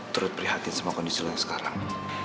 terus prihatin semua kondisi lu yang sekarang